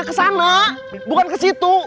kesana bukan kesitu